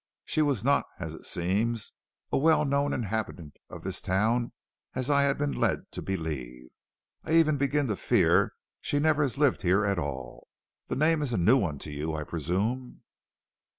She was not, as it seems, a well known inhabitant of this town as I had been led to believe. I even begin to fear she never has lived here at all. The name is a new one to you, I presume."